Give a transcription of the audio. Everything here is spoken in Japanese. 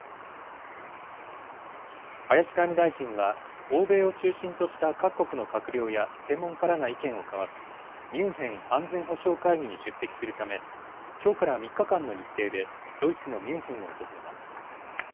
林外務大臣は、欧米を中心とした各国の閣僚や専門家らが意見を交わすミュンヘン安全保障会議に出席するため、きょうから３日間の日程でドイツのミュンヘンを訪れます。